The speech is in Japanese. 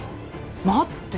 待って。